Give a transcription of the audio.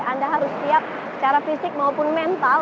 anda harus siap secara fisik maupun mental